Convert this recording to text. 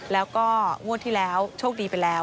แล้วก็งวดที่แล้วโชคดีไปแล้ว